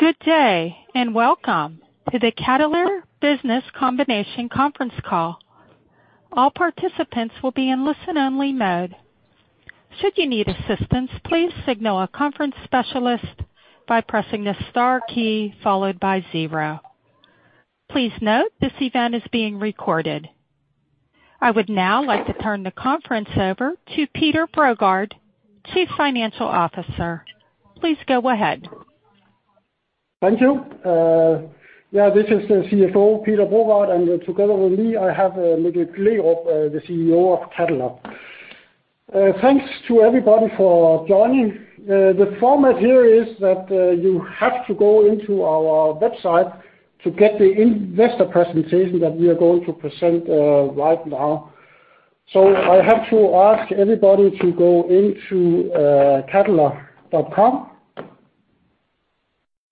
Good day, and welcome to the Cadeler Business Combination Conference Call. All participants will be in listen-only mode. Should you need assistance, please signal a conference specialist by pressing the star key followed by zero. Please note, this event is being recorded. I would now like to turn the conference over to Peter Brogaard, Chief Financial Officer. Please go ahead. Thank you. Yeah, this is the CFO, Peter Brogaard, and together with me, I have Mikkel Gleerup, the CEO of Cadeler. Thanks to everybody for joining. The format here is that you have to go into our website to get the investor presentation that we are going to present right now. So I have to ask everybody to go into cadeler.com. I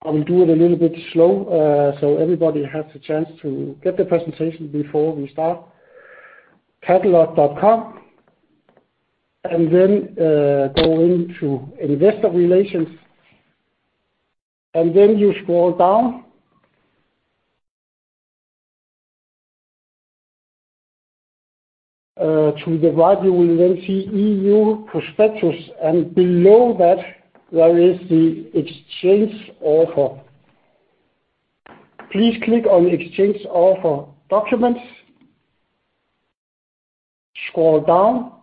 will do it a little bit slow so everybody has a chance to get the presentation before we start. Cadeler.com, and then go into Investor Relations, and then you scroll down. To the right, you will then see EU Prospectus, and below that, there is the Exchange Offer. Please click on Exchange Offer Documents. Scroll down.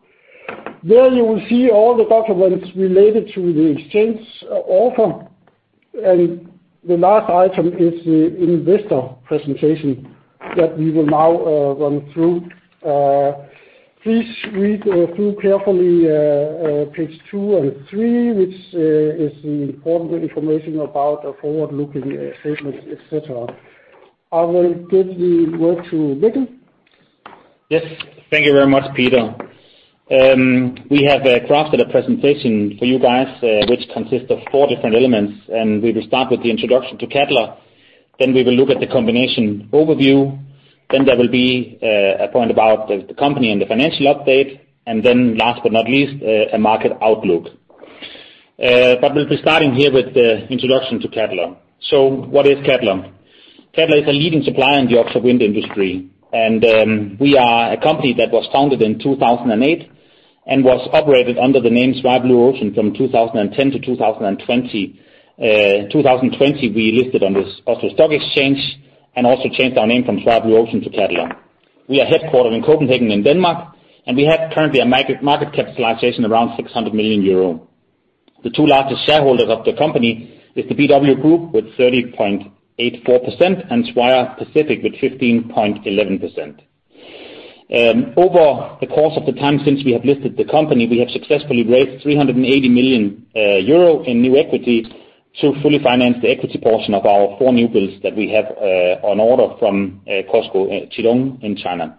There you will see all the documents related to the exchange offer, and the last item is the investor presentation that we will now run through. Please read through carefully page two and three, which is the important information about the forward-looking statements, et cetera. I will give the word to Mikkel. Yes, thank you very much, Peter. We have crafted a presentation for you guys, which consists of four different elements, and we will start with the introduction to Cadeler, then we will look at the combination overview, then there will be a point about the company and the financial update, and then last but not least, a market outlook. But we'll be starting here with the introduction to Cadeler. So what is Cadeler? Cadeler is a leading supplier in the offshore wind industry, and we are a company that was founded in 2008 and was operated under the name Swire Blue Ocean from 2010 to 2020. In 2020, we listed on the Oslo Stock Exchange and also changed our name from Swire Blue Ocean to Cadeler. We are headquartered in Copenhagen, in Denmark, and we have currently a market capitalization around 600 million euro. The two largest shareholders of the company is the BW Group, with 30.84%, and Swire Pacific with 15.11%. Over the course of the time since we have listed the company, we have successfully raised 380 million euro in new equity to fully finance the equity portion of our four new builds that we have on order from COSCO Qidong in China.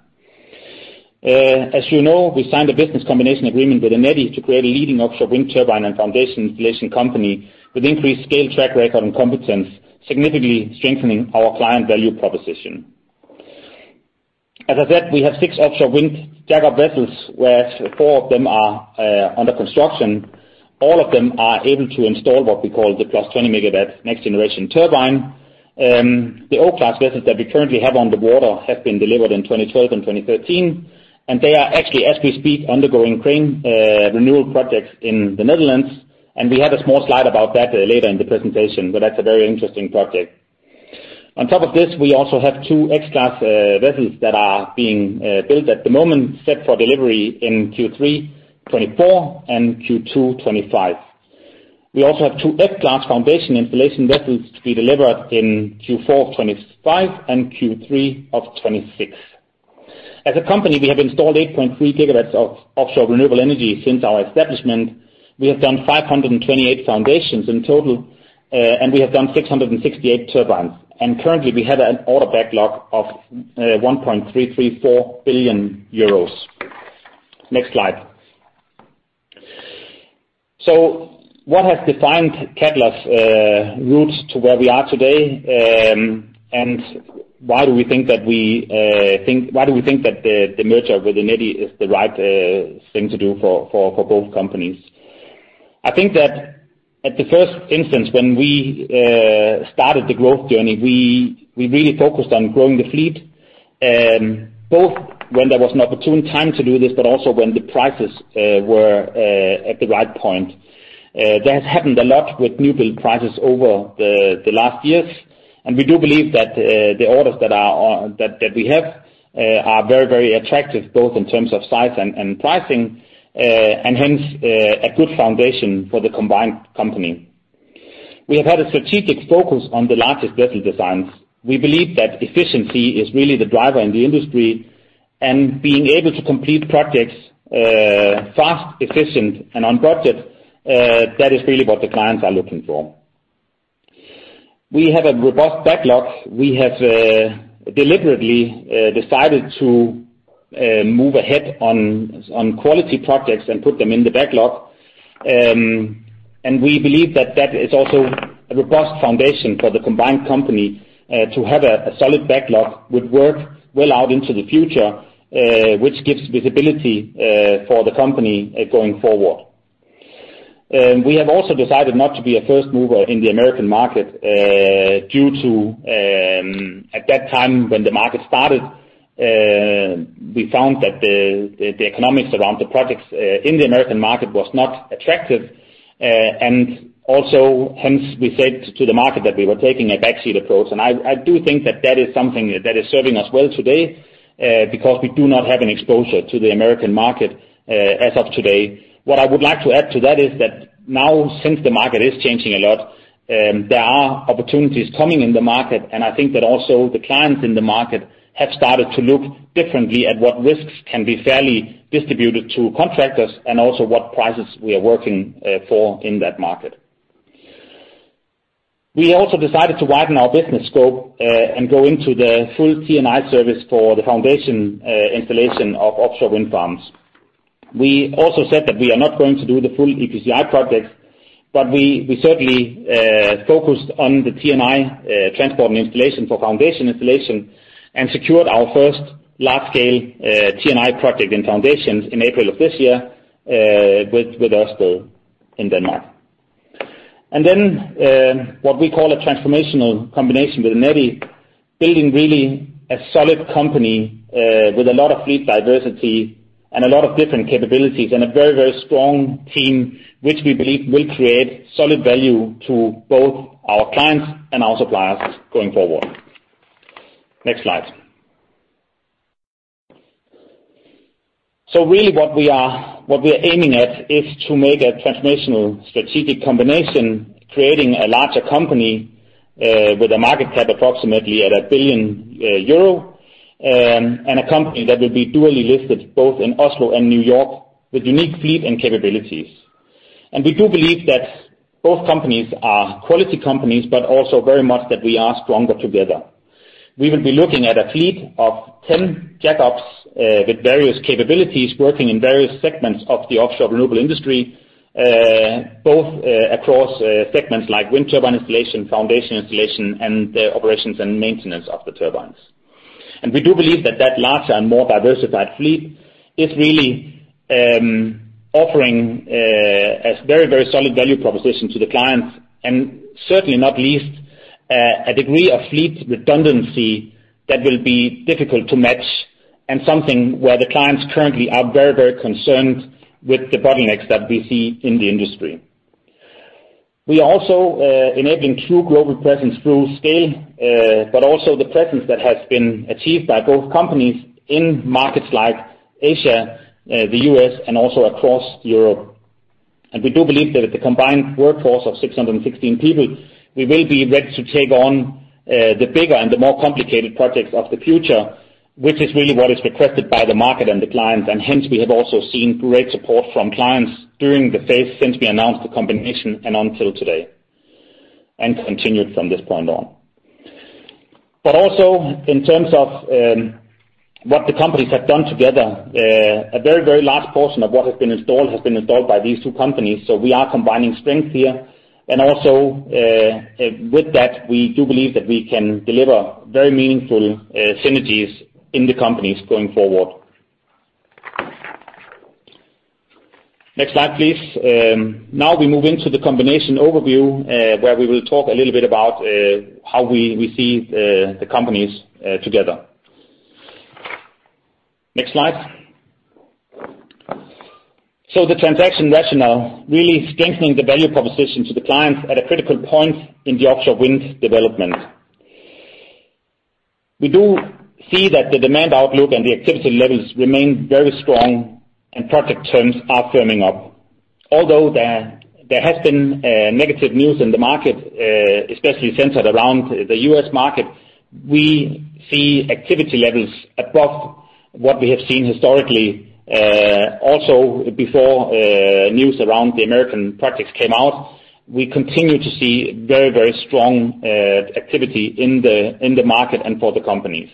As you know, we signed a business combination agreement with Eneti to create a leading offshore wind turbine and foundation installation company with increased scale, track record, and competence, significantly strengthening our client value proposition. As I said, we have six offshore wind jack-up vessels, where four of them are under construction. All of them are able to install what we call the plus 20 MW next-generation turbine. The O-class vessels that we currently have on the water have been delivered in 2012 and 2013, and they are actually, as we speak, undergoing crane renewal projects in the Netherlands, and we have a small slide about that later in the presentation, but that's a very interesting project. On top of this, we also have two X-class vessels that are being built at the moment, set for delivery in Q3 2024 and Q2 2025. We also have two X-class foundation installation vessels to be delivered in Q4 of 2025 and Q3 of 2026. As a company, we have installed 8.3 GW of offshore renewable energy since our establishment. We have done 528 foundations in total, and we have done 668 turbines. Currently, we have an order backlog of 1.334 billion euros. Next slide. So what has defined Cadeler's route to where we are today, and why do we think that the merger with Eneti is the right thing to do for both companies? I think that at the first instance, when we started the growth journey, we really focused on growing the fleet, both when there was an opportune time to do this, but also when the prices were at the right point. That has happened a lot with new build prices over the last years, and we do believe that the orders that we have are very, very attractive, both in terms of size and pricing, and hence a good foundation for the combined company. We have had a strategic focus on the largest vessel designs. We believe that efficiency is really the driver in the industry, and being able to complete projects fast, efficient, and on budget, that is really what the clients are looking for. We have a robust backlog. We have deliberately decided to move ahead on quality projects and put them in the backlog. And we believe that that is also a robust foundation for the combined company to have a a solid backlog with work well out into the future, which gives visibility for the company going forward... We have also decided not to be a first mover in the American market, due to at that time when the market started, we found that the the economics around the projects in the American market was not attractive. And also, hence, we said to the market that we were taking a backseat approach. And I, I do think that that is something that is serving us well today, because we do not have an exposure to the American market, as of today. What I would like to add to that is that now, since the market is changing a lot, there are opportunities coming in the market, and I think that also the clients in the market have started to look differently at what risks can be fairly distributed to contractors, and also what prices we are working for in that market. We also decided to widen our business scope and go into the full T&I service for the foundation installation of offshore wind farms. We also said that we are not going to do the full EPCI projects, but we certainly focused on the T&I transport and installation for foundation installation, and secured our first large-scale T&I project in foundations in April of this year with Ørsted in Denmark. And then, what we call a transformational combination with Eneti, building really a solid company, with a lot of fleet diversity and a lot of different capabilities, and a very, very strong team, which we believe will create solid value to both our clients and our suppliers going forward. Next slide. So really, what we are, what we are aiming at is to make a transformational strategic combination, creating a larger company, with a market cap approximately at 1 billion euro, and a company that will be dually listed both in Oslo and New York, with unique fleet and capabilities. And we do believe that both companies are quality companies, but also very much that we are stronger together. We will be looking at a fleet of 10 jackups with various capabilities, working in various segments of the offshore renewable industry, both across segments like wind turbine installation, foundation installation, and the operations and maintenance of the turbines. We do believe that that larger and more diversified fleet is really offering a very, very solid value proposition to the clients, and certainly not least, a degree of fleet redundancy that will be difficult to match, and something where the clients currently are very, very concerned with the bottlenecks that we see in the industry. We are also enabling true global presence through scale, but also the presence that has been achieved by both companies in markets like Asia, the U.S., and also across Europe. And we do believe that with the combined workforce of 616 people, we will be ready to take on the bigger and the more complicated projects of the future, which is really what is requested by the market and the clients. And hence, we have also seen great support from clients during the phase since we announced the combination and until today, and continued from this point on. But also, in terms of what the companies have done together, a very, very large portion of what has been installed has been installed by these two companies, so we are combining strengths here. And also, with that, we do believe that we can deliver very meaningful synergies in the companies going forward. Next slide, please. Now we move into the combination overview, where we will talk a little bit about how we see the companies together. Next slide. So the transaction rationale, really strengthening the value proposition to the clients at a critical point in the offshore wind development. We do see that the demand outlook and the activity levels remain very strong and project terms are firming up. Although there has been negative news in the market, especially centered around the U.S. market, we see activity levels above what we have seen historically. Also, before news around the American projects came out, we continued to see very, very strong activity in the market and for the companies.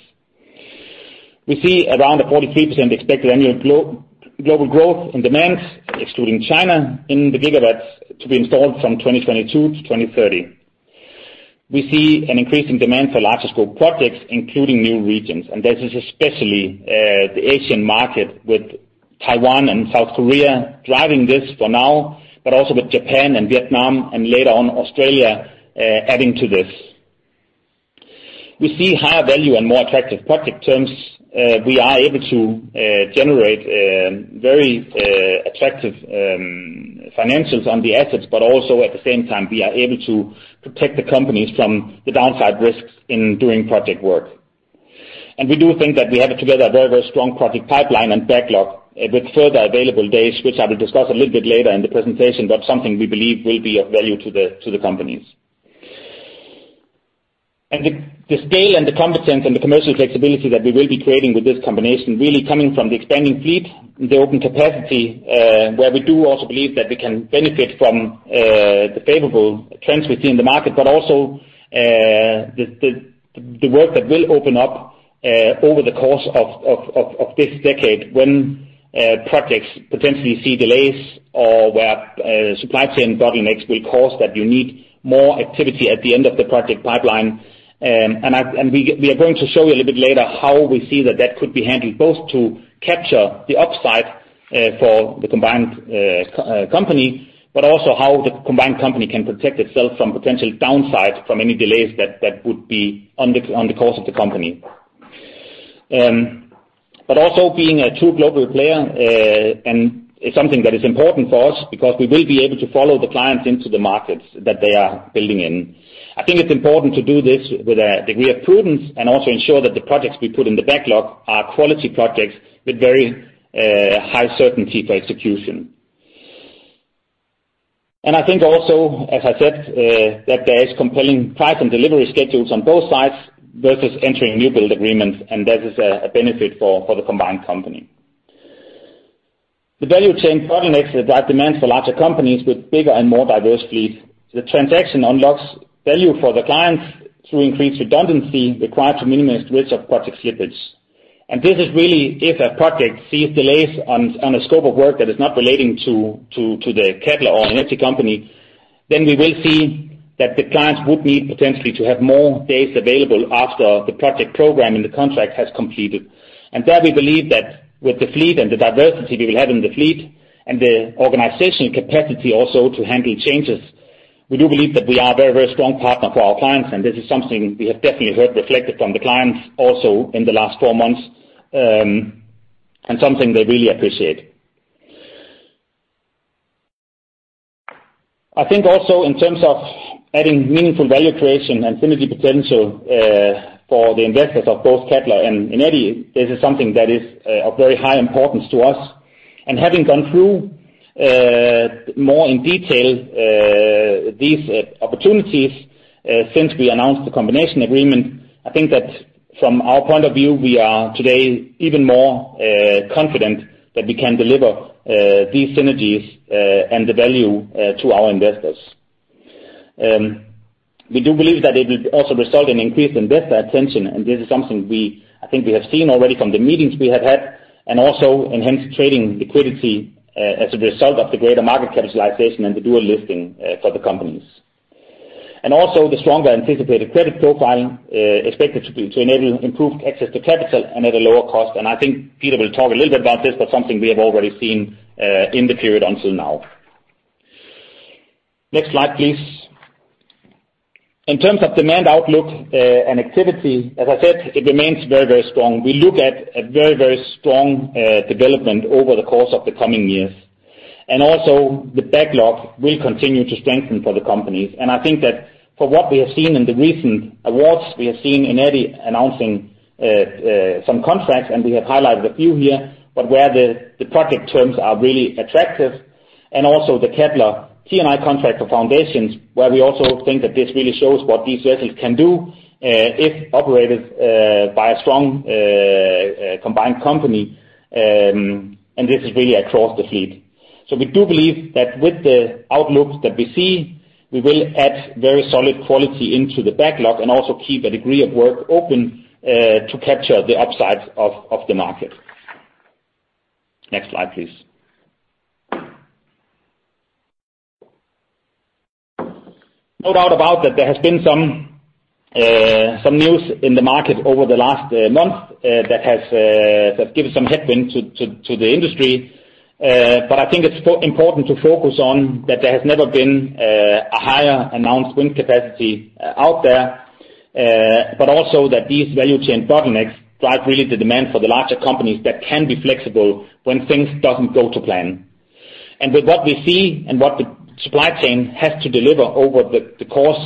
We see around a 43% expected annual global growth in demands, excluding China, in the gigawatts to be installed from 2022 to 2030. We see an increase in demand for larger scope projects, including new regions, and this is especially the Asian market, with Taiwan and South Korea driving this for now, but also with Japan and Vietnam, and later on, Australia adding to this. We see higher value and more attractive project terms. We are able to generate very attractive financials on the assets, but also, at the same time, we are able to protect the companies from the downside risks in doing project work. We do think that we have together a very, very strong project pipeline and backlog, with further available days, which I will discuss a little bit later in the presentation, but something we believe will be of value to the companies. The scale and the competence and the commercial flexibility that we will be creating with this combination, really coming from the expanding fleet, the open capacity, where we do also believe that we can benefit from the favorable trends we see in the market, but also the work that will open up over the course of this decade when projects potentially see delays or where supply chain bottlenecks will cause that you need more activity at the end of the project pipeline. And we are going to show you a little bit later how we see that that could be handled, both to capture the upside for the combined company, but also how the combined company can protect itself from potential downsides from any delays that would be on the course of the company. But also being a true global player, and it's something that is important for us because we will be able to follow the clients into the markets that they are building in. I think it's important to do this with a degree of prudence, and also ensure that the projects we put in the backlog are quality projects with very high certainty for execution. I think also, as I said, that there is compelling price and delivery schedules on both sides versus entering new build agreements, and that is a benefit for the combined company. The value chain bottlenecks that drive demand for larger companies with bigger and more diverse fleet. The transaction unlocks value for the clients through increased redundancy required to minimize risk of project slippage. And this is really, if a project sees delays on a scope of work that is not relating to the EPC or an energy company, then we will see that the clients would need potentially to have more days available after the project program and the contract has completed. There we believe that with the fleet and the diversity we will have in the fleet, and the organization capacity also to handle changes, we do believe that we are a very, very strong partner for our clients, and this is something we have definitely heard reflected from the clients also in the last four months, and something they really appreciate. I think also in terms of adding meaningful value creation and synergy potential for the investors of both Cadeler and Eneti, this is something that is of very high importance to us. And having gone through more in detail these opportunities since we announced the combination agreement, I think that from our point of view, we are today even more confident that we can deliver these synergies and the value to our investors. We do believe that it will also result in increased investor attention, and this is something we, I think we have seen already from the meetings we have had, and also enhanced trading liquidity, as a result of the greater market capitalization and the dual listing, for the companies. And also, the stronger anticipated credit profiling, expected to be, to enable improved access to capital and at a lower cost. And I think Peter will talk a little bit about this, but something we have already seen, in the period until now. Next slide, please. In terms of demand outlook, and activity, as I said, it remains very, very strong. We look at a very, very strong, development over the course of the coming years. And also the backlog will continue to strengthen for the companies. I think that from what we have seen in the recent awards, we have seen Eneti announcing some contracts, and we have highlighted a few here, but where the project terms are really attractive, and also the Cadeler T&I contract for foundations, where we also think that this really shows what these vessels can do if operated by a strong combined company, and this is really across the fleet. So we do believe that with the outlook that we see, we will add very solid quality into the backlog and also keep a degree of work open to capture the upsides of the market. Next slide, please. No doubt about that there has been some news in the market over the last month that has give some headwind to the industry. But I think it's important to focus on that there has never been a higher announced wind capacity out there, but also that these value chain bottlenecks drive really the demand for the larger companies that can be flexible when things doesn't go to plan. And with what we see and what the supply chain has to deliver over the course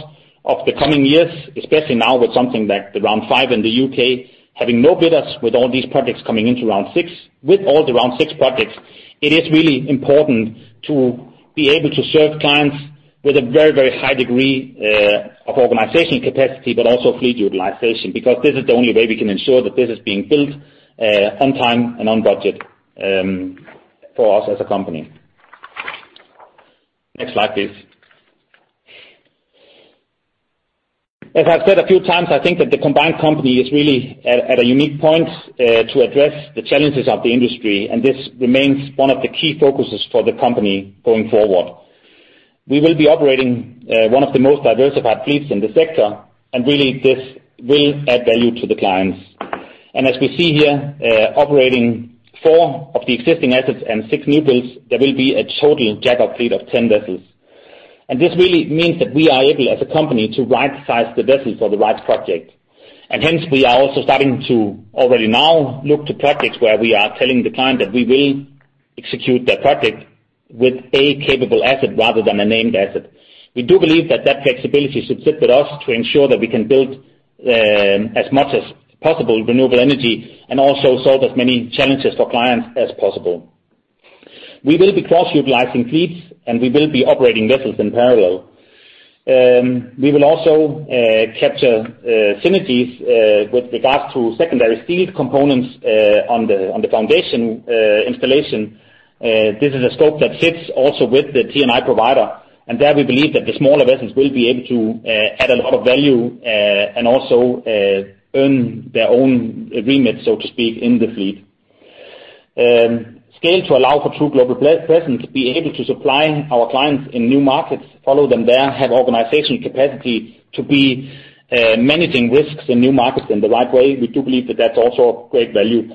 of the coming years, especially now with something like the Round Five in the UK, having no bidders with all these projects coming into Round Six, with all the Round Six projects, it is really important to be able to serve clients with a very, very high degree of organization capacity, but also fleet utilization, because this is the only way we can ensure that this is being built on time and on budget, for us as a company. Next slide, please. As I've said a few times, I think that the combined company is really at a unique point to address the challenges of the industry, and this remains one of the key focuses for the company going forward. We will be operating one of the most diversified fleets in the sector, and really, this will add value to the clients. As we see here, operating 4 of the existing assets and 6 new builds, there will be a total jack-up fleet of 10 vessels. This really means that we are able, as a company, to rightsize the vessel for the right project. Hence, we are also starting to already now look to projects where we are telling the client that we will execute their project with a capable asset rather than a named asset. We do believe that that flexibility should sit with us to ensure that we can build as much as possible renewable energy and also solve as many challenges for clients as possible. We will be cross-utilizing fleets, and we will be operating vessels in parallel. We will also capture synergies with regards to secondary steel components on the foundation installation. This is a scope that fits also with the T&I provider, and there we believe that the smaller vessels will be able to add a lot of value and also earn their own remit, so to speak, in the fleet. Scale to allow for true global presence, be able to supply our clients in new markets, follow them there, have organization capacity to be managing risks in new markets in the right way. We do believe that that's also a great value,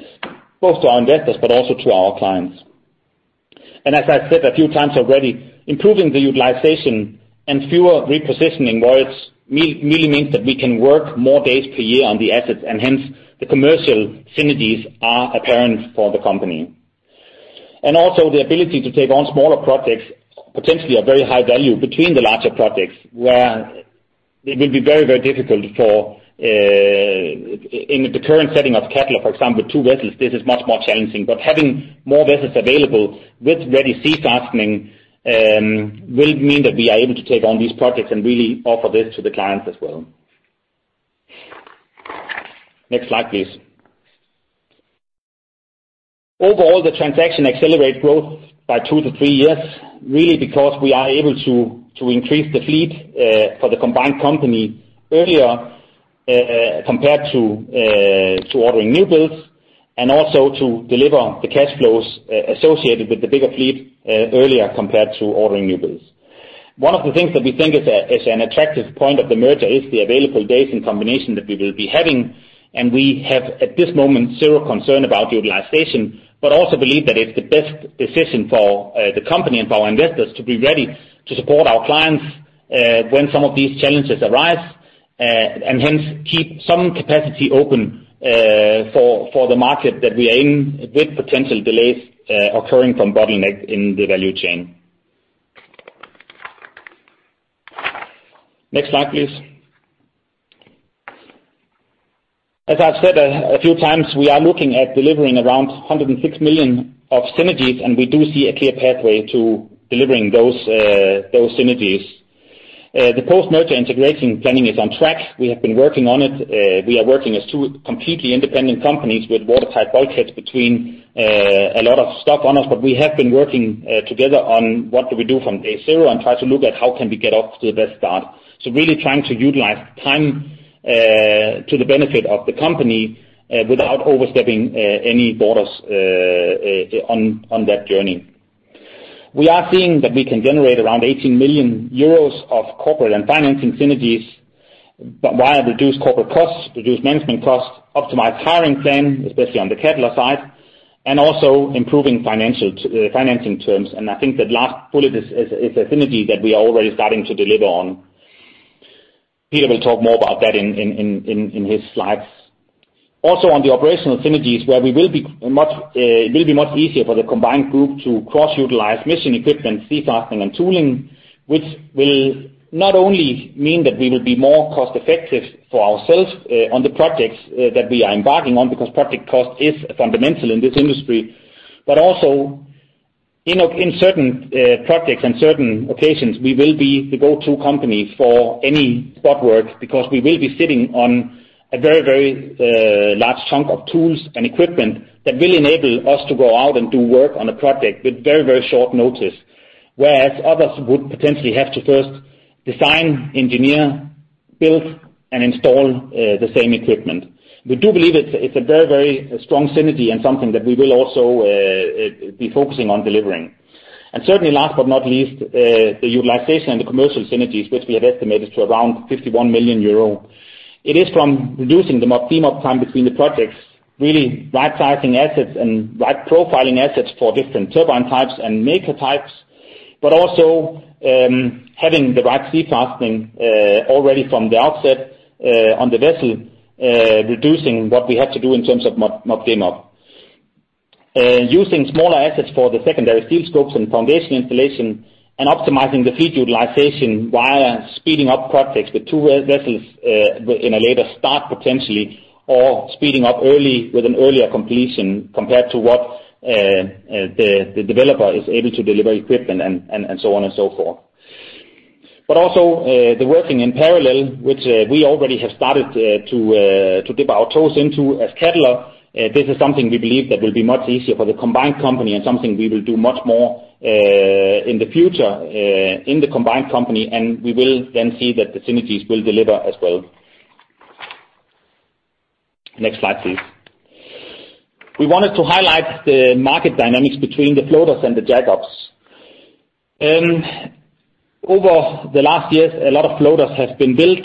both to our investors, but also to our clients. As I said a few times already, improving the utilization and fewer repositioning voids really means that we can work more days per year on the assets, and hence, the commercial synergies are apparent for the company. Also the ability to take on smaller projects, potentially a very high value between the larger projects, where it will be very, very difficult for, in the current setting of Cadeler, for example, two vessels, this is much more challenging. But having more vessels available with ready sea fastening will mean that we are able to take on these projects and really offer this to the clients as well. Next slide, please. Overall, the transaction accelerate growth by two to three years, really, because we are able to to increase the fleet for the combined company earlier compared to ordering new builds, and also to deliver the cash flows associated with the bigger fleet earlier compared to ordering new builds. One of the things that we think is an attractive point of the merger is the available days in combination that we will be having, and we have, at this moment, zero concern about utilization, but also believe that it's the best decision for the company and for our investors to be ready to support our clients when some of these challenges arise, and hence, keep some capacity open for the market that we are in, with potential delays occurring from bottleneck in the value chain. Next slide, please. As I've said a few times, we are looking at delivering around 106 million of synergies, and we do see a clear pathway to delivering those, those synergies. The post-merger integration planning is on track. We have been working on it. We are working as two completely independent companies with watertight bulkheads between, a lot of stock owners, but we have been working, together on what do we do from day zero and try to look at how can we get off to the best start. So really trying to utilize time, to the benefit of the company, without overstepping, any borders, on, on that journey. We are seeing that we can generate around 18 million euros of corporate and financing synergies, but via reduced corporate costs, reduced management costs, optimized hiring plan, especially on the Eneti side, and also improving financial, financing terms. And I think that last bullet is a synergy that we are already starting to deliver on. Peter will talk more about that in his slides. Also, on the operational synergies, where it will be much easier for the combined group to cross-utilize mission equipment, sea fastening, and tooling, which will not only mean that we will be more cost-effective for ourselves on the projects that we are embarking on, because project cost is fundamental in this industry, but also in certain projects and certain occasions, we will be the go-to company for any spot work because we will be sitting on a very, very large chunk of tools and equipment that will enable us to go out and do work on a project with very, very short notice. Whereas others would potentially have to first design, engineer, build, and install the same equipment. We do believe it's a very, very strong synergy and something that we will also be focusing on delivering. And certainly, last but not least, the utilization and the commercial synergies, which we have estimated to around 51 million euro. It is from reducing the mob/demob time between the projects, really right-sizing assets and right-profiling assets for different turbine types and maker types, but also, having the right sea fastening already from the outset on the vessel, reducing what we had to do in terms of mob/demob. Using smaller assets for the secondary steel scopes and foundation installation, and optimizing the fleet utilization via speeding up projects with 2 vessels in a later start, potentially, or speeding up early with an earlier completion compared to what the developer is able to deliver equipment and so on and so forth. But also, the working in parallel, which we already have started to dip our toes into as Cadeler, this is something we believe that will be much easier for the combined company and something we will do much more in the future in the combined company, and we will then see that the synergies will deliver as well. Next slide, please. We wanted to highlight the market dynamics between the floaters and the jack-ups. Over the last years, a lot of floaters have been built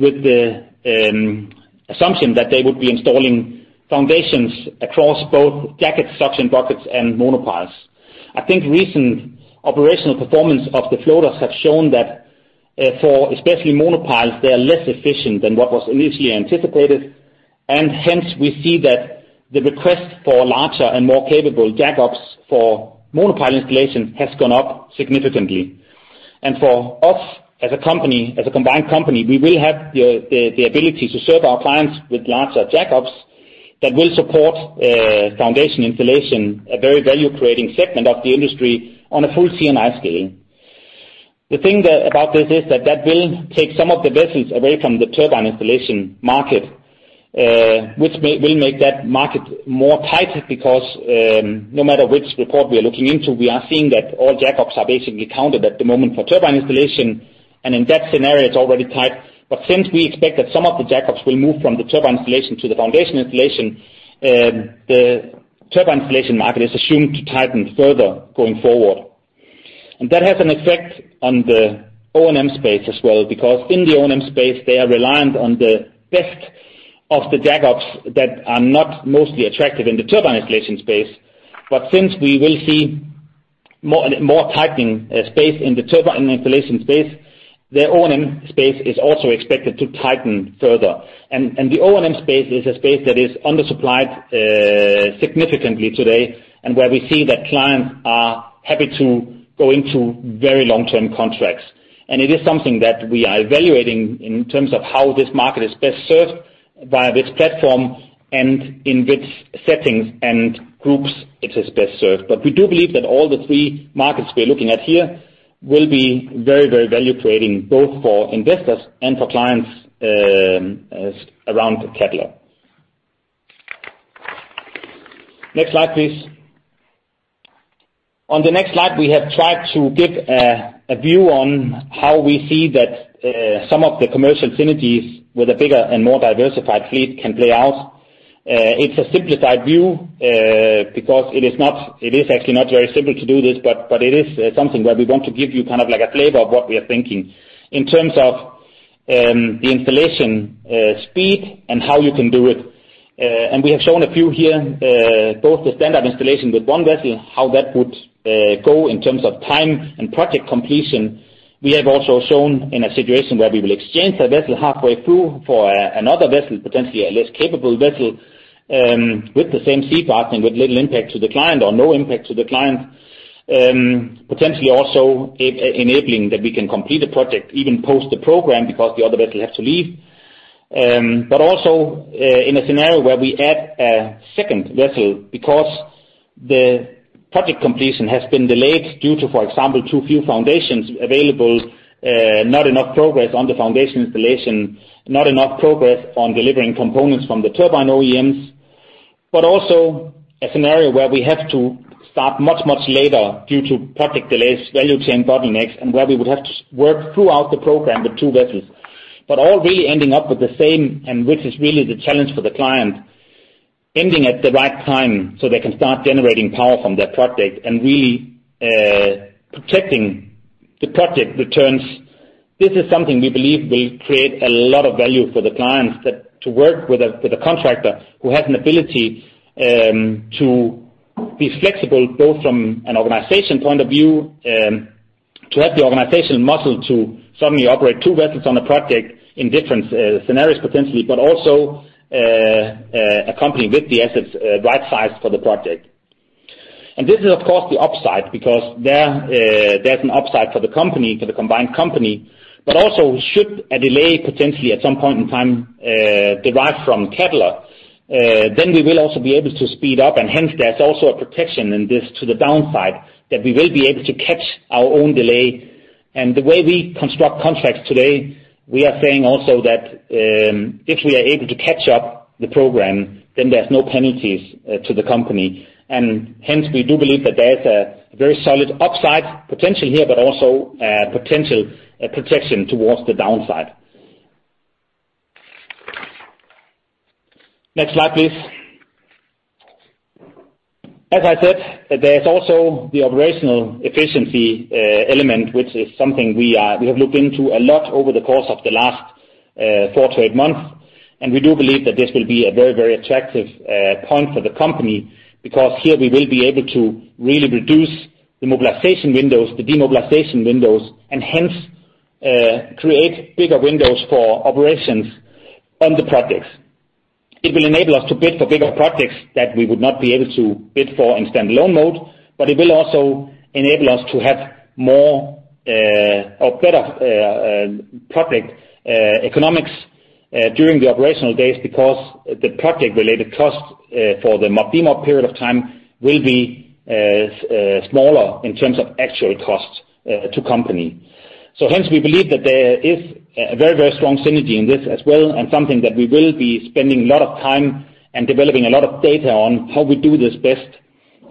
with the assumption that they would be installing foundations across both jacket suction buckets and monopiles. I think recent operational performance of the floaters have shown that, for especially monopiles, they are less efficient than what was initially anticipated, and hence, we see that the request for larger and more capable jackups for monopile installation has gone up significantly. For us, as a company, as a combined company, we will have the ability to serve our clients with larger jackups that will support foundation installation, a very value-creating segment of the industry, on a full T&I scale. The thing about this is that that will take some of the vessels away from the turbine installation market, which will make that market more tight, because no matter which report we are looking into, we are seeing that all jackups are basically counted at the moment for turbine installation, and in that scenario, it's already tight. But since we expect that some of the jackups will move from the turbine installation to the foundation installation, the turbine installation market is assumed to tighten further going forward. And that has an effect on the O&M space as well, because in the O&M space, they are reliant on the best of the jackups that are not mostly attractive in the turbine installation space. But since we will see more, more tightening, space in the turbine installation space, their O&M space is also expected to tighten further. And the O&M space is a space that is undersupplied, significantly today, and where we see that clients are happy to go into very long-term contracts. And it is something that we are evaluating in terms of how this market is best served via this platform, and in which settings and groups it is best served. But we do believe that all the three markets we're looking at here will be very, very value-creating, both for investors and for clients, as around the catalog. Next slide, please. On the next slide, we have tried to give a view on how we see that some of the commercial synergies with a bigger and more diversified fleet can play out. It's a simplified view because it is actually not very simple to do this, but it is something where we want to give you kind of like a flavor of what we are thinking. In terms of the installation speed and how you can do it and we have shown a few here both the standard installation with one vessel, how that would go in terms of time and project completion. We have also shown in a situation where we will exchange a vessel halfway through for another vessel, potentially a less capable vessel with the same sea fastening, with little impact to the client or no impact to the client. Potentially also enabling that we can complete a project, even post the program, because the other vessel have to leave. But also in a scenario where we add a second vessel because the project completion has been delayed due to, for example, too few foundations available, not enough progress on the foundation installation, not enough progress on delivering components from the turbine OEMs. But also a scenario where we have to start much, much later due to project delays, value chain bottlenecks, and where we would have to work throughout the program with two vessels. But all really ending up with the same, which is really the challenge for the client, ending at the right time so they can start generating power from their project and really protecting the project returns. This is something we believe will create a lot of value for the clients, that to work with a, with a contractor who has an ability to be flexible, both from an organization point of view, to have the organizational muscle to suddenly operate two vessels on a project in different scenarios, potentially, but also a company with the assets right-sized for the project. And this is, of course, the upside, because there, there's an upside for the company, for the combined company. But also, should a delay potentially at some point in time derive from Cadeler, then we will also be able to speed up, and hence, there's also a protection in this to the downside, that we will be able to catch our own delay. And the way we construct contracts today, we are saying also that, if we are able to catch up the program, then there's no penalties to the company. And hence, we do believe that there's a very solid upside potential here, but also potential protection towards the downside. Next slide, please. As I said, there's also the operational efficiency, element, which is something we have looked into a lot over the course of the last, 4-8 months, and we do believe that this will be a very, very attractive, point for the company, because here we will be able to really reduce the mobilization windows, the demobilization windows, and hence, create bigger windows for operations on the projects. It will enable us to bid for bigger projects that we would not be able to bid for in standalone mode, but it will also enable us to have more, or better, project, economics, during the operational days, because the project-related costs, for the mob-demob period of time will be, smaller in terms of actual costs, to company. So hence, we believe that there is a very, very strong synergy in this as well, and something that we will be spending a lot of time and developing a lot of data on how we do this best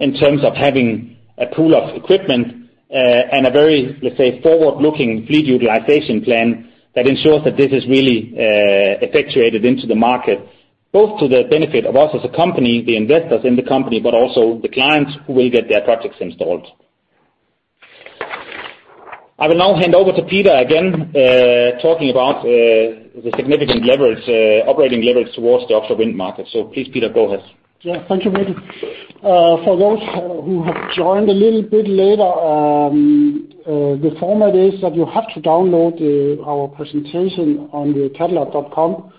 in terms of having a pool of equipment, and a very, let's say, forward-looking fleet utilization plan that ensures that this is really effectuated into the market, both to the benefit of us as a company, the investors in the company, but also the clients who will get their projects installed. I will now hand over to Peter again, talking about the significant leverage, operating leverage towards the offshore wind market. So please, Peter, go ahead. Yeah, thank you, Mikkel. For those who have joined a little bit later, the format is that you have to download our presentation on the cadeler.com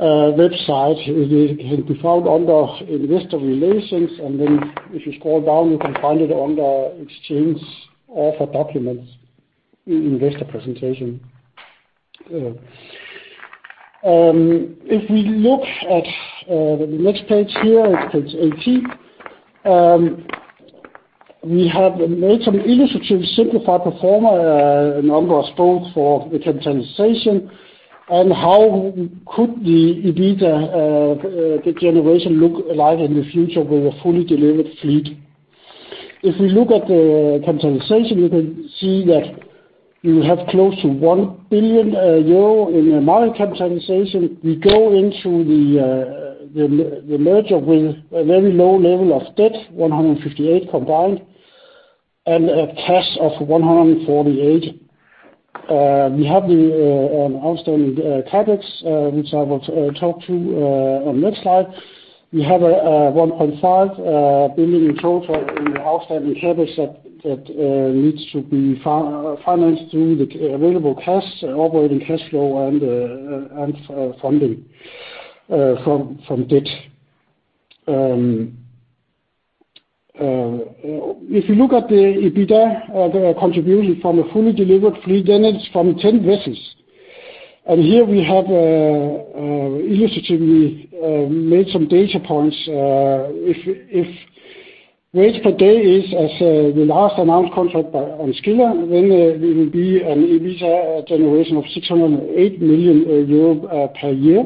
website. It can be found under Investor Relations, and then if you scroll down, you can find it under Exchange Offer Documents, Investor Presentation. If we look at the next page here, on page 18, we have made some illustrative simplified performance scenarios for the consolidation, and how could the Eneti integration look like in the future with a fully delivered fleet? If we look at the consolidation, we can see that. We have close to 1 billion euro in market capitalization. We go into the merger with a very low level of debt, 158 million combined, and cash of 148 million. We have the outstanding CapEx, which I will talk to on next slide. We have 1.5 billion in total in the outstanding CapEx that needs to be financed through the available cash, operating cash flow, and funding from debt. If you look at the EBITDA, the contribution from a fully delivered 3 units from 10 vessels, and here we have illustratively made some data points. If rates per day is as the last announced contract by Ørsted on Scylla, then it will be an EBITDA generation of 608 million euro per year.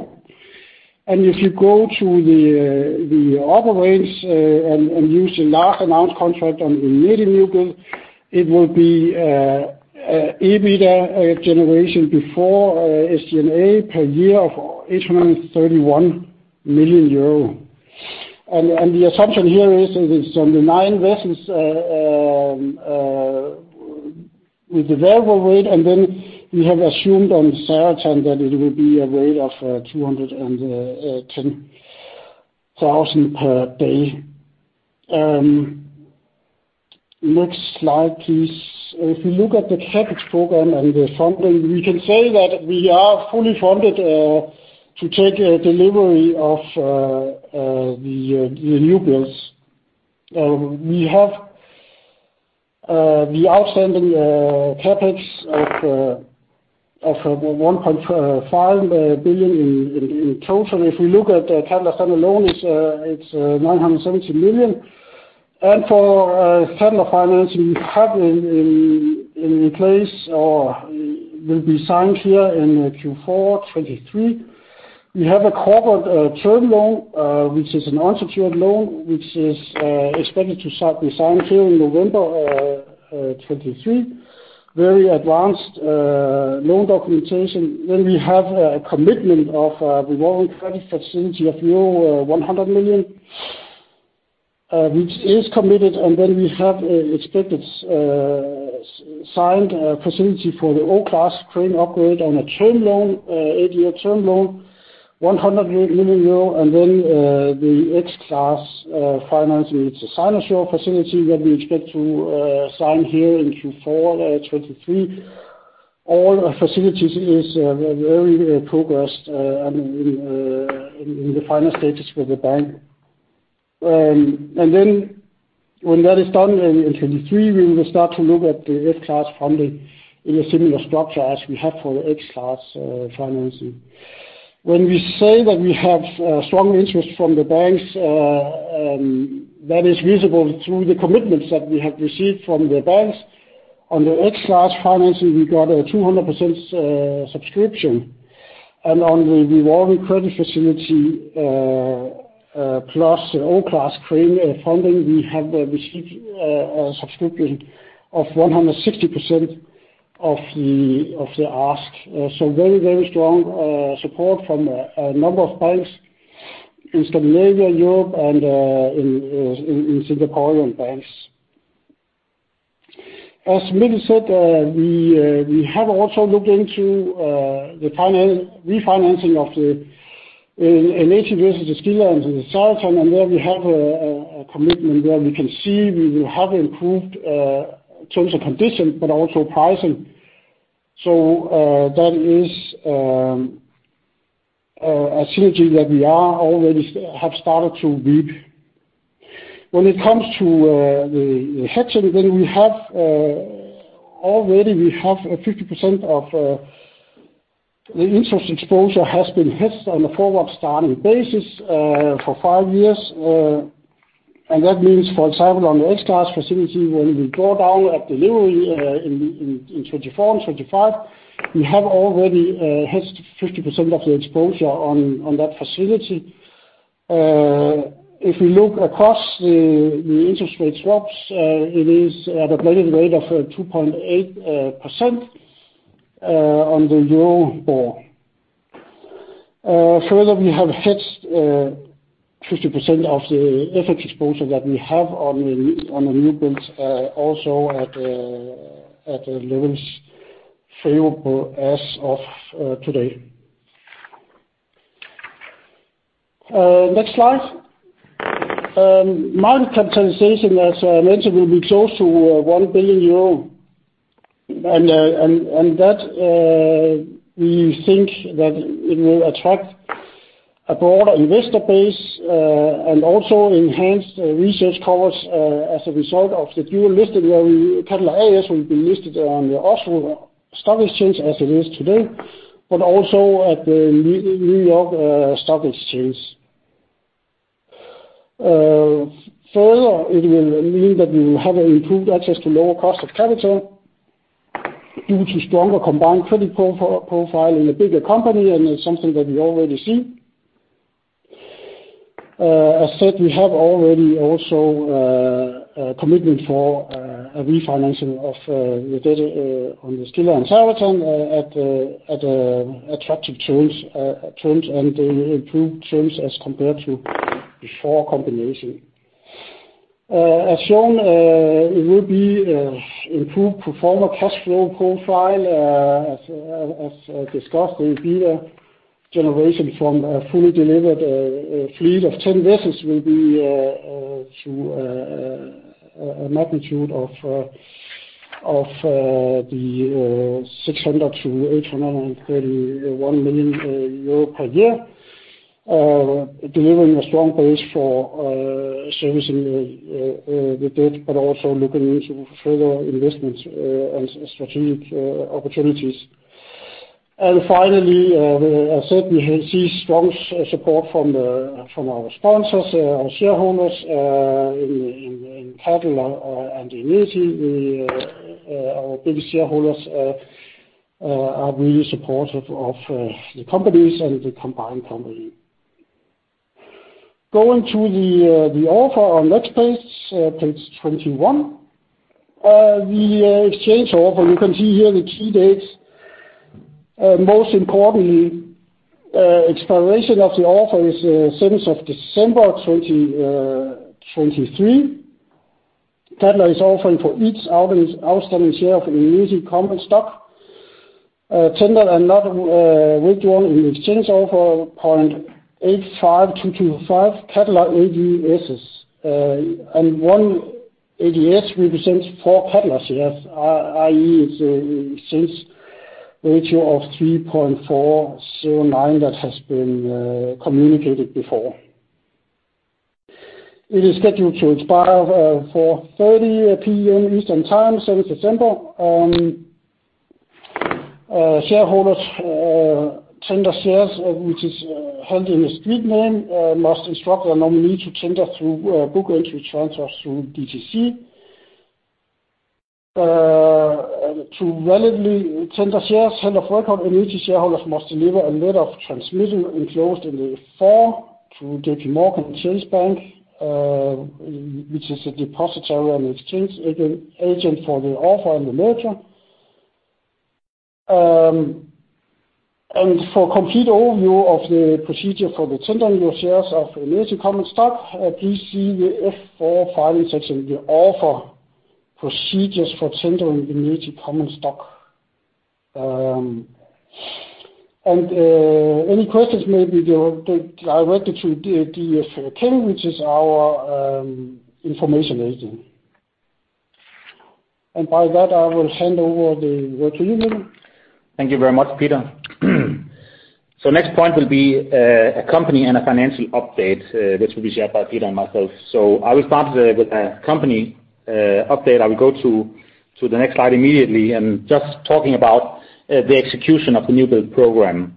If you go to the other rates and use the last announced contract on the Wind Orca, it will be EBITDA generation before SG&A per year of 831 million euro. The assumption here is on the nine vessels with the variable rate, and then we have assumed on the Zaratan that it will be a rate of 210,000 per day. Next slide, please. If you look at the CapEx program and the funding, we can say that we are fully funded to take delivery of the new builds. We have the outstanding CapEx of 1.5 billion in total. If we look at the capital spend alone, it's 970 million. And for capital financing, we have in place, or will be signed here in Q4 2023, we have a corporate term loan which is an unsecured loan, which is expected to start be signed here in November 2023. Very advanced loan documentation. Then we have a commitment of revolving credit facility of euro 100 million, which is committed, and then we have expected signed facility for the O-class crane upgrade on a term loan, 8-year term loan, 100 million euro, and then the X-class financing. It's a signing facility that we expect to sign here in Q4 2023. All facilities is very progressed and in the final stages with the bank. And then when that is done in 2023, we will start to look at the F-class funding in a similar structure as we have for the X-class financing. When we say that we have strong interest from the banks, that is visible through the commitments that we have received from the banks. On the X-class financing, we got a 200% subscription, and on the revolving credit facility plus O-class crane funding, we have a receipt, a subscription of 160% of the ask. So very, very strong support from a number of banks in Scandinavia, Europe, and in Singaporean banks. As Mikkel said, we have also looked into the refinancing of the in eighteen years, the Scylla and the Zaratan, and there we have a commitment where we can see we will have improved terms of condition, but also pricing. So that is a synergy that we have already started to reap. When it comes to the hedging, then we have already we have a 50% of the interest exposure has been hedged on a forward starting basis for five years, and that means, for example, on the X-class facility, when we go down at delivery in 2024 and 2025, we have already hedged 50% of the exposure on that facility. If we look across the interest rate swaps, it is at a blended rate of 2.8% on the Euribor. Further, we have hedged 50% of the FX exposure that we have on the new builds also at the levels favorable as of today. Next slide. Market capitalization, as I mentioned, will be close to 1 billion euro. And that we think that it will attract a broader investor base, and also enhance the research coverage, as a result of the dual listing, where Cadeler A/S will be listed on the Oslo Stock Exchange, as it is today, but also at the New York Stock Exchange. Further, it will mean that we will have an improved access to lower cost of capital due to stronger combined credit profile in a bigger company, and it's something that we already see. As said, we have already also a commitment for a refinancing of the debt on the Scylla and Zaratan at attractive terms and improved terms as compared to before combination. As shown, it will be improved pro forma cash flow profile. As discussed, the EBITDA generation from a fully delivered fleet of 10 vessels will be to a magnitude of 600-831 million euro per year. Delivering a strong base for servicing the debt, but also looking into further investments and strategic opportunities. Finally, as said, we see strong support from our sponsors, our shareholders in Cadeler and in Eneti. Our big shareholders are really supportive of the companies and the combined company. Going to the offer on the next page, page 21. The exchange offer, you can see here the key dates. Most importantly, expiration of the offer is seventh of December, 2023. Cadeler is offering for each outstanding share of Eneti common stock tender and not withdrawn in exchange offer 0.85225 Cadeler ADSs. And one ADS represents four Cadeler shares, yes, i.e., it's an exchange ratio of 3.409 that has been communicated before. It is scheduled to expire 4:30 P.M. Eastern Time, seventh December, shareholders tender shares which are held in a street name must instruct their nominee to tender through book entry transfers through DTC. To validly tender shares, tender of record, an Eneti shareholder must deliver a letter of transmittal enclosed in the form to JPMorgan Chase Bank, which is a depositary and exchange agent for the offer and the merger. For complete overview of the procedure for the tendering your shares of Eneti common stock, please see the F-4 filing section, the offer procedures for tendering Eneti common stock. Any questions may be go directly to DF King, which is our information agent. By that, I will hand over the to you, Mikkel. Thank you very much, Peter. Next point will be a company and a financial update, which will be shared by Peter and myself. I will start with a company update. I will go to the next slide immediately, and just talking about the execution of the new build program.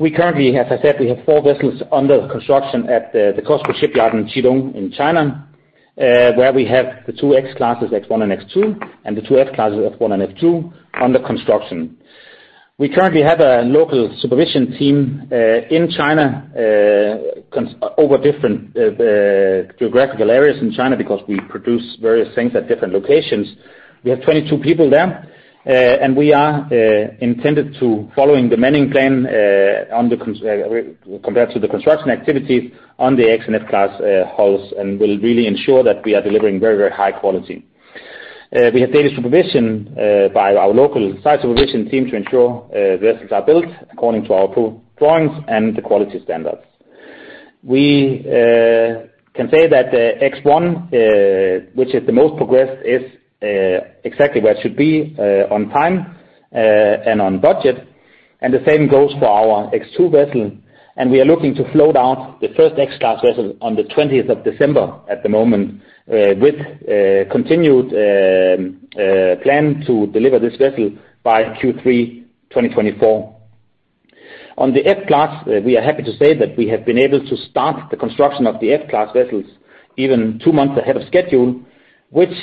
We currently, as I said, we have four vessels under construction at the COSCO shipyard in Qidong, in China, where we have the two X-classes, X1 and X2, and the two F-classes, F1 and F2, under construction. We currently have a local supervision team in China over different geographical areas in China, because we produce various things at different locations. We have 22 people there, and we are intended to following the manning plan on the compared to the construction activity on the X-class and F-class hulls, and will really ensure that we are delivering very, very high quality. We have daily supervision by our local site supervision team to ensure vessels are built according to our approved drawings and the quality standards. We can say that the X1, which is the most progressed, is exactly where it should be, on time, and on budget, and the same goes for our X2 vessel, and we are looking to float out the first X-class vessel on the 20th of December at the moment, with continued plan to deliver this vessel by Q3 2024. On the F-class vessels, we are happy to say that we have been able to start the construction of the F-class vessels even two months ahead of schedule, which is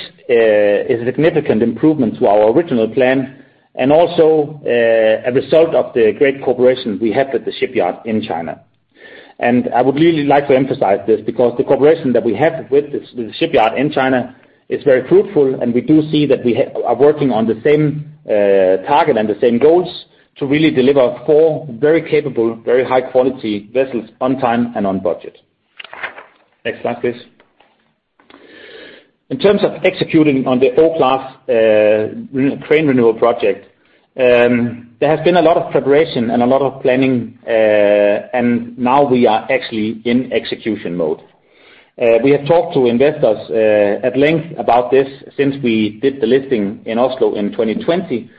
a significant improvement to our original plan, and also a result of the great cooperation we have with the shipyard in China. I would really like to emphasize this, because the cooperation that we have with the shipyard in China is very fruitful, and we do see that we are working on the same target and the same goals, to really deliver four very capable, very high quality vessels on time and on budget. Next slide, please. In terms of executing on the O-class crane renewal project, there has been a lot of preparation and a lot of planning, and now we are actually in execution mode. We have talked to investors at length about this since we did the listing in Oslo in 2020,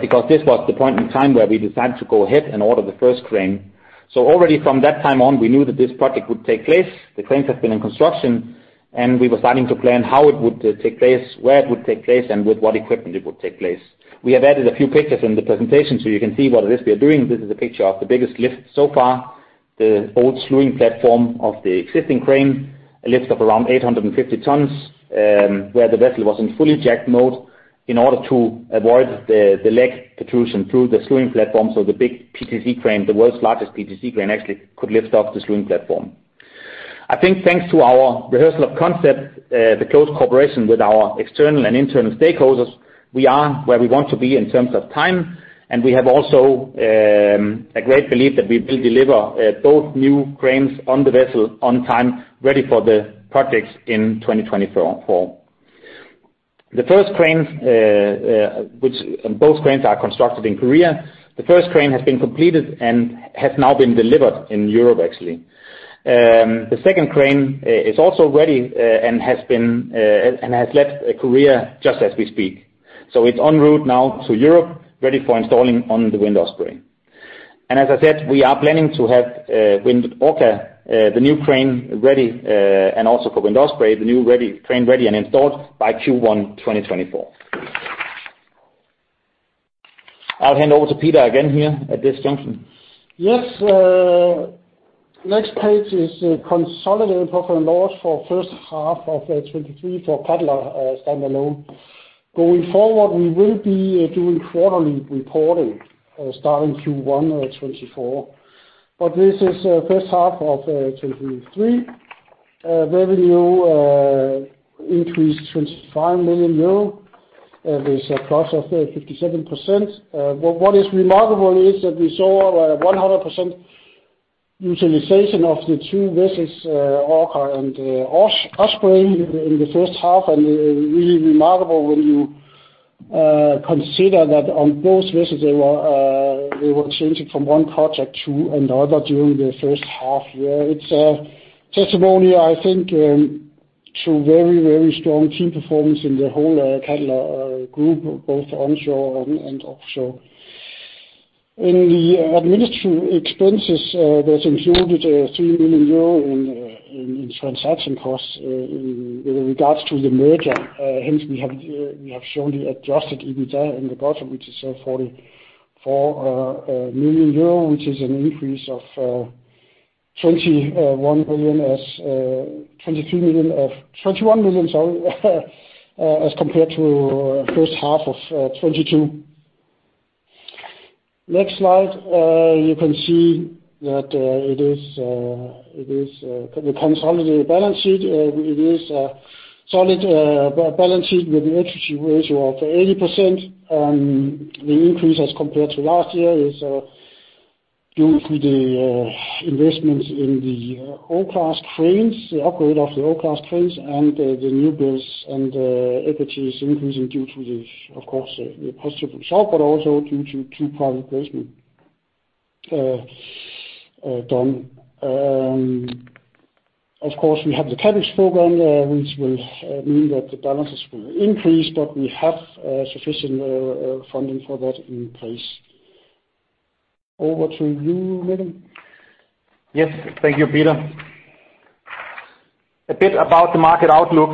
because this was the point in time where we decided to go ahead and order the first crane. Already from that time on, we knew that this project would take place. The cranes have been in construction, and we were starting to plan how it would take place, where it would take place, and with what equipment it would take place. We have added a few pictures in the presentation so you can see what it is we are doing. This is a picture of the biggest lift so far, the old slewing platform of the existing crane, a lift of around 850 tonnes, where the vessel was in fully jacked mode in order to avoid the leg protrusion through the slewing platform, so the big PTC crane, the world's largest PTC crane, actually could lift off the slewing platform. I think thanks to our rehearsal of concept, the close cooperation with our external and internal stakeholders, we are where we want to be in terms of time, and we have also a great belief that we will deliver both new cranes on the vessel on time, ready for the projects in fall 2024. The first crane, and both cranes are constructed in Korea. The first crane has been completed and has now been delivered in Europe, actually. The second crane is also ready, and has left Korea just as we speak. So it's en route now to Europe, ready for installing on the Wind Osprey. And as I said, we are planning to have Wind Orca the new crane ready, and also for Wind Osprey, the new crane ready and installed by Q1 2024. I'll hand over to Peter again here at this junction. Yes, next page is the consolidated profit and loss for first half of 2023 for Cadeler standalone. Going forward, we will be doing quarterly reporting starting Q1 of 2024. But this is first half of 2023. Revenue increased 25 million euro, there's a plus of 57%. But what is remarkable is that we saw a 100% utilization of the two vessels, Orca and Osprey in the first half, and really remarkable when you consider that on both vessels, they were changing from one project to another during the first half year. It's a testimony, I think, to very, very strong team performance in the whole Cadeler group, both onshore and offshore. In the administrative expenses, that included 3 million euro in transaction costs in regards to the merger. Hence, we have shown the adjusted EBITDA in the bottom, which is 44 million euro, which is an increase of twenty-one million, sorry, as compared to first half of 2022. Next slide, you can see that it is the consolidated balance sheet. It is a solid balance sheet with the equity ratio of 80%. The increase as compared to last year is due to the investments in the O-class cranes, the upgrade of the O-class cranes and the new builds and equities increasing due to, of course, the positive result, but also due to two private placement done. Of course, we have the CapEx program, which will mean that the balances will increase, but we have sufficient funding for that in place. Over to you, Mikkel. Yes. Thank you, Peter. A bit about the market outlook.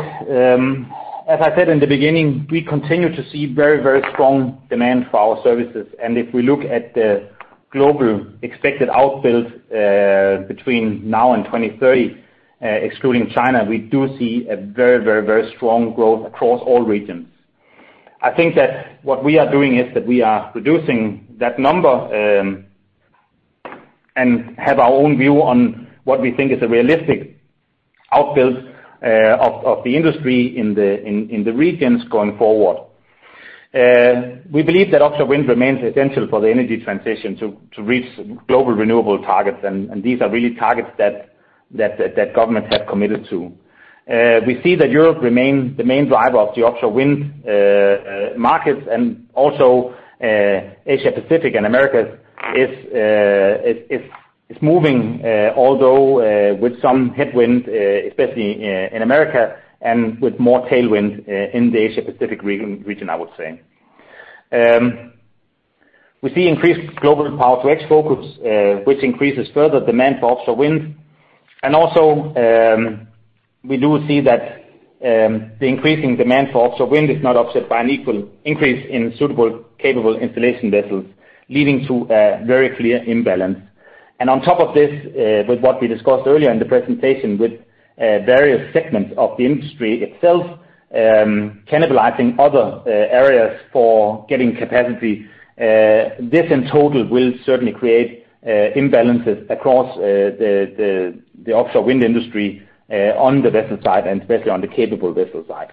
As I said in the beginning, we continue to see very, very strong demand for our services. And if we look at the global expected outbuild, between now and 2030, excluding China, we do see a very, very, very strong growth across all regions. I think that what we are doing is that we are reducing that number, and have our own view on what we think is a realistic outbuild, of the industry in the regions going forward. We believe that offshore wind remains essential for the energy transition to reach global renewable targets, and these are really targets that governments have committed to. We see that Europe remains the main driver of the offshore wind markets, and also, Asia Pacific and Americas is moving, although with some headwind, especially in America, and with more tailwind in the Asia Pacific region, I would say. We see increased global Power-to-X focus, which increases further demand for offshore wind. And also, we do see that the increasing demand for offshore wind is not offset by an equal increase in suitable, capable installation vessels, leading to a very clear imbalance. On top of this, with what we discussed earlier in the presentation, with various segments of the industry itself cannibalizing other areas for getting capacity, this in total will certainly create imbalances across the offshore wind industry on the vessel side, and especially on the capable vessel side.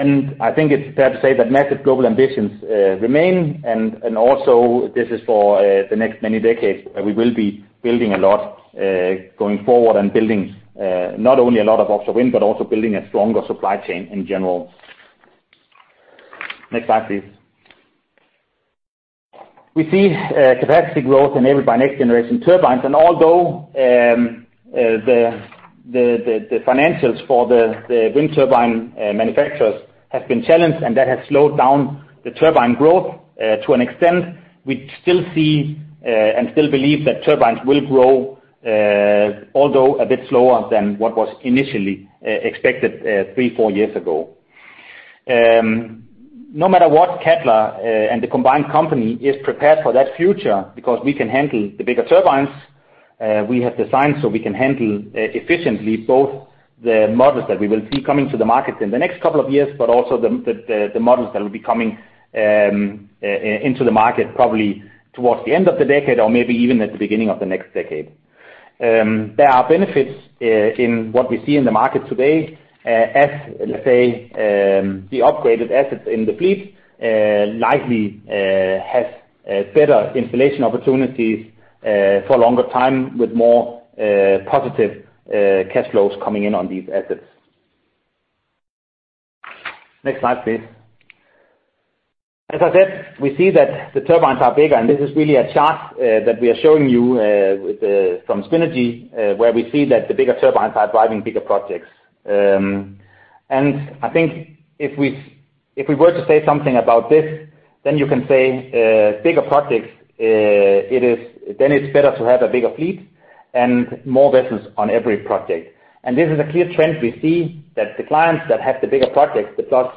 I think it's fair to say that massive global ambitions remain, and also, this is for the next many decades, we will be building a lot going forward and building not only a lot of offshore wind, but also building a stronger supply chain in general. Next slide, please. We see capacity growth enabled by next-generation turbines, and although the financials for the wind turbine manufacturers has been challenged, and that has slowed down the turbine growth to an extent, we still see and still believe that turbines will grow although a bit slower than what was initially expected three to four years ago. No matter what, Cadeler and the combined company is prepared for that future because we can handle the bigger turbines we have designed so we can handle efficiently both the models that we will see coming to the market in the next couple of years, but also the models that will be coming into the market, probably towards the end of the decade or maybe even at the beginning of the next decade. There are benefits in what we see in the market today, as, let's say, the upgraded assets in the fleet likely has better installation opportunities for a longer time, with more positive cash flows coming in on these assets. Next slide, please. As I said, we see that the turbines are bigger, and this is really a chart that we are showing you with from Spinergie, where we see that the bigger turbines are driving bigger projects. And I think if we, if we were to say something about this, then you can say bigger projects, it is- then it's better to have a bigger fleet and more vessels on every project. And this is a clear trend. We see that the clients that have the bigger projects, the plus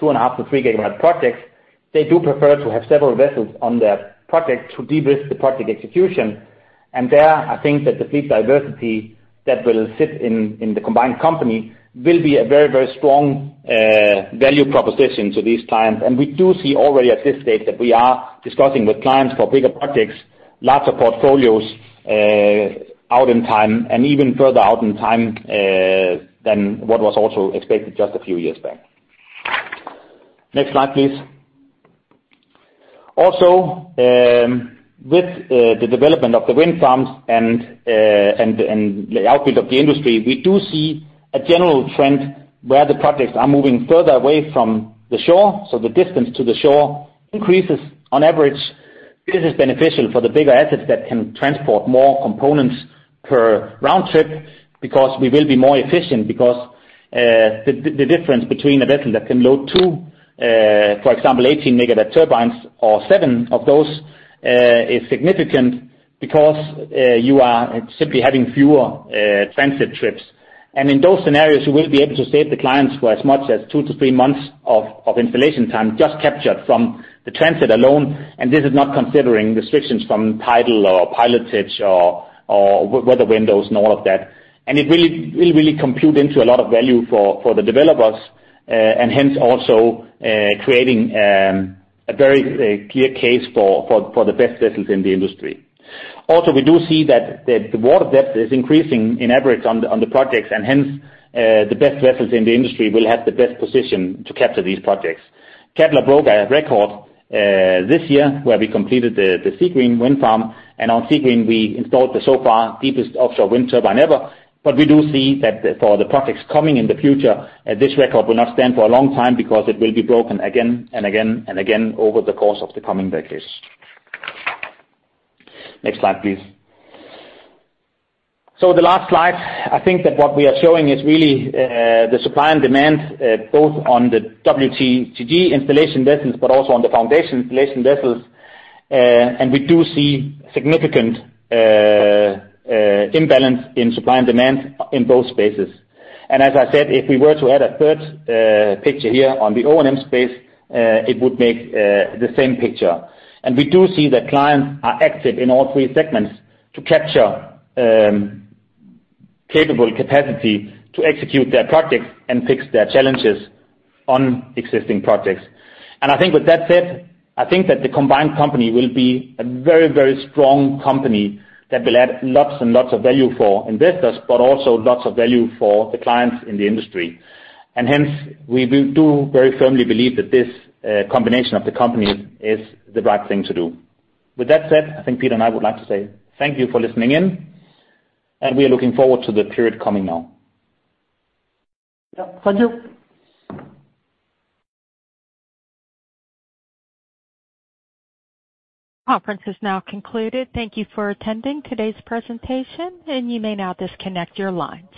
2.5-3 GW projects, they do prefer to have several vessels on their project to de-risk the project execution. And there, I think that the fleet diversity that will sit in, in the combined company will be a very, very strong value proposition to these clients. And we do see already at this stage that we are discussing with clients for bigger projects, lots of portfolios, out in time and even further out in time, than what was also expected just a few years back. Next slide, please. Also, with the development of the wind farms and the output of the industry, we do see a general trend where the projects are moving further away from the shore, so the distance to the shore increases on average. This is beneficial for the bigger assets that can transport more components per round trip, because we will be more efficient. Because, the difference between a vessel that can load two, for example, 18-MW turbines or seven of those, is significant because, you are simply having fewer transit trips. And in those scenarios, you will be able to save the clients for as much as two to three months of installation time, just captured from the transit alone. And this is not considering restrictions from tidal or pilotage or weather windows and all of that. It really, it really computes into a lot of value for, for the developers, and hence also, creating a very clear case for, for, for the best vessels in the industry. Also, we do see that, that the water depth is increasing on average on the, on the projects, and hence, the best vessels in the industry will have the best position to capture these projects. Cadeler broke a record this year, where we completed the Seagreen wind farm, and on Seagreen we installed the so far deepest offshore wind turbine ever. But we do see that for the projects coming in the future, this record will not stand for a long time because it will be broken again and again and again over the course of the coming decades. Next slide, please. So the last slide, I think that what we are showing is really the supply and demand both on the WTG installation vessels, but also on the foundation installation vessels. And we do see significant imbalance in supply and demand in both spaces. And as I said, if we were to add a third picture here on the O&M space, it would make the same picture. And we do see that clients are active in all three segments to capture capable capacity to execute their projects and fix their challenges on existing projects. And I think with that said, I think that the combined company will be a very, very strong company that will add lots and lots of value for investors, but also lots of value for the clients in the industry. Hence, we do very firmly believe that this combination of the company is the right thing to do. With that said, I think Peter and I would like to say thank you for listening in, and we are looking forward to the period coming now. Thank you. Conference is now concluded. Thank you for attending today's presentation, and you may now disconnect your lines.